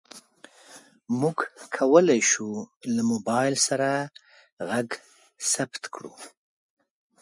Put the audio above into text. موږ کولی شو له موبایل سره غږ ثبت کړو.